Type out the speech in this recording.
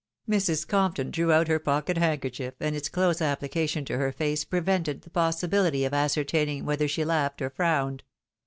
Mrs. Compton drew out her pocket handkerchief, and its close application to her face prevented the possibility of ascer taining whether she laughed or frowned.